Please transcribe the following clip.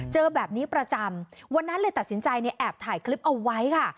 เจอแบบนี้ประจำวันนั้นเลยตัดสินใจเนี่ยแอบถ่ายคลิปเอาไว้ค่ะ